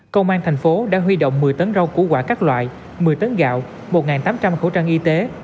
công an thành phố đã huy động một mươi tấn rau củ quả các loại một mươi tấn gạo một tám trăm linh khẩu trang y tế